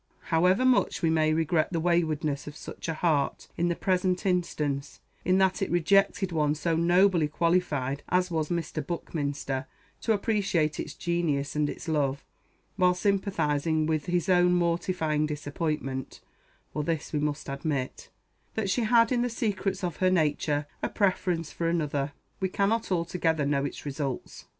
However much we may regret the waywardness of such a heart in the present instance, in that it rejected one so nobly qualified as was Mr. Buckminster to appreciate its genius and its love, while sympathizing with his own mortifying disappointment, (for this we must admit,) that she had in the secrets of her nature a preference for another, we cannot altogether know its results.